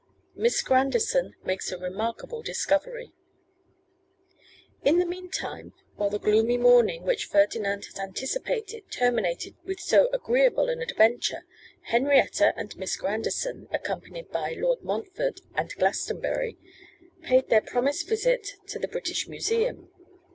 Miss Grandison Makes a Remarkable Discovery. IN THE mean time, while the gloomy morning which Ferdinand had anticipated terminated with so agreeable an adventure, Henrietta and Miss Grandison, accompanied by Lord Montfort and Glastonbury, paid their promised visit to the British Museum.